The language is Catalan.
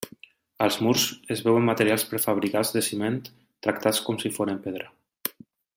Als murs es veuen materials prefabricats de ciment tractats com si fossin pedra.